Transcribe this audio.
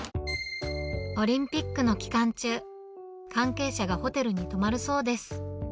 オリンピックの期間中、関係者がホテルに泊まるそうです。